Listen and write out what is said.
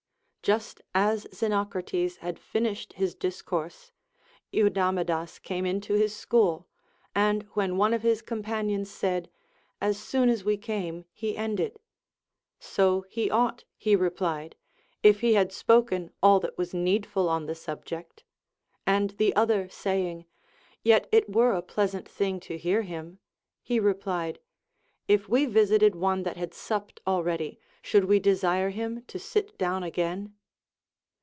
Just as Xenocrates had iinislied his discourse, Eudamidas came into his school, and when one of his companions said. As soon as we came he ended ; So he ought, he replied, if he had spoken all that was needful on the subject. And the other saying, Yet it were a pleasant thing to hear him, he replied. If we visited one that had supped already, should we desire him to sit down again